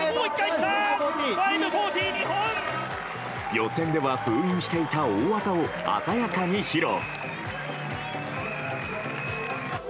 予選では封印していた大技を鮮やかに披露。